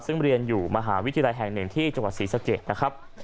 ซึ่งเรียนอยู่มหาวิทยาลัยแห่งหนึ่งที่จังหวัดศรีสะเกดนะครับ